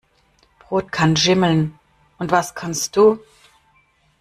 Brot kann schimmeln. Und was kannst du?